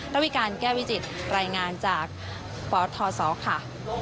ระวิการแก้วิจิตรายงานจากปทศค่ะ